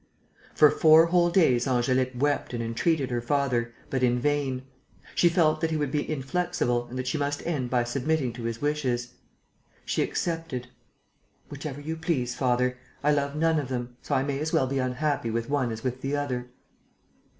For four whole days Angélique wept and entreated her father, but in vain. She felt that he would be inflexible and that she must end by submitting to his wishes. She accepted: "Whichever you please, father. I love none of them. So I may as well be unhappy with one as with the other."